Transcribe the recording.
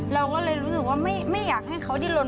เราก็เลยรู้สึกว่าไม่อยากให้เขาดิ้นลน